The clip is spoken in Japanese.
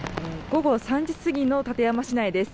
午後３時過ぎの館山市内です。